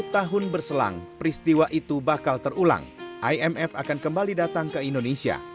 sepuluh tahun berselang peristiwa itu bakal terulang imf akan kembali datang ke indonesia